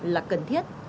là cần thiết